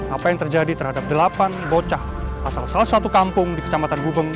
apa yang terjadi terhadap delapan bocah asal salah satu kampung di kecamatan gubeng